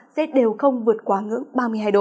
rét đều không vượt quá ngưỡng ba mươi hai độ